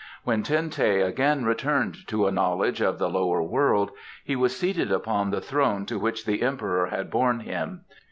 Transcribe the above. When Ten teh again returned to a knowledge of the lower world he was seated upon the throne to which the Emperor had borne him.